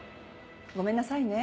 ごめんなさいね。